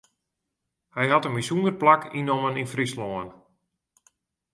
Hy hat in bysûnder plak ynnommen yn Fryslân.